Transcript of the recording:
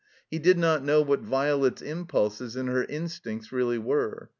He did not know what Violet's impulses and her instincts really were.